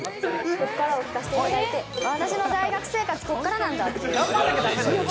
こっからを聴かせていただいて、私の大学生活、こっからなんだって。